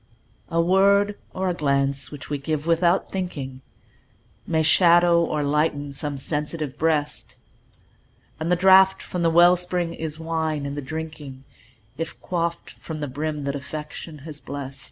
A word or a glance which we give "without thinking", May shadow or lighten some sensitive breast; And the draught from the well spring is wine in the drinking, If quaffed from the brim that Affection has blest.